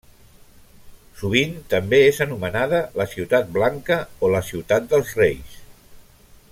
Sovint també és anomenada la Ciutat Blanca o la Ciutat dels Reis.